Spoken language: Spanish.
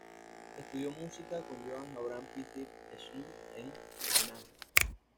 Estudió música con Johann Abraham Peter Schulz en Copenhague.